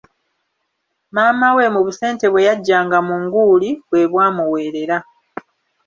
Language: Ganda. Maama we, mu busente bwe yaggyanga mu nguuli, bwe bwamuweerera.